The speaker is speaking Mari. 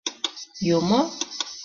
Юмо?